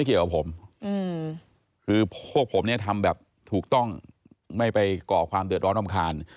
ครู่พวกผมนะทำแบบถูกต้องไม่ไปกล่อความเตือนร้อนอ่อมคาร